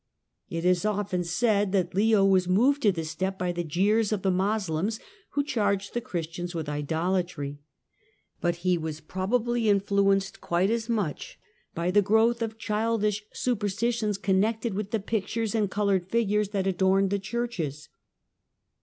It is often said that Leo was moved to this tep by the jeers of the Moslems, who charged the Jhristians with idolatry. But he was probably influenced [iiite as much by the growth of childish superstitions con lected with the pictures and coloured figures that adorned he churches.